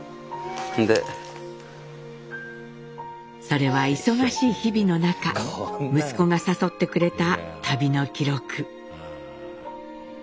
それは忙しい日々の中息子が誘ってくれた旅の記録。